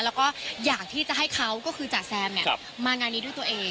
แล้วก็อยากที่จะให้เขาก็คือจ๋าแซมมางานนี้ด้วยตัวเอง